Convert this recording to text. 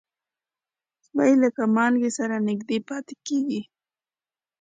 سپي له مالک سره نږدې پاتې کېږي.